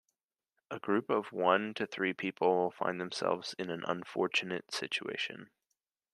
A group of one to three people find themselves in an unfortunate situation.